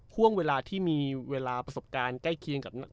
ห่วงเวลาที่มีเวลาประสบการณ์ใกล้เคียงกับ